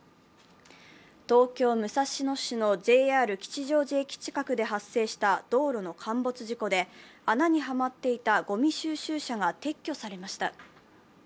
東京・武蔵野市のＪＲ吉祥寺駅近くで発生した道路の陥没事故で、穴にはまっていたごみ収集車が撤去されました。